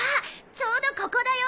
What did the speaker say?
ちょうどここだよ！